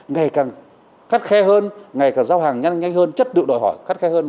ngày càng khắt khe hơn ngày càng giao hàng nhanh nhanh hơn chất lượng đòi hỏi khắt khe hơn